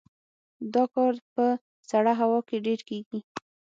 دا کار په سړه هوا کې ډیر کیږي